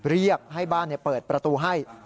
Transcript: เรียกให้บ้านเปิดประตูให้